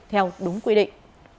theo đúng quy định